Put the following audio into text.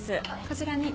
こちらに。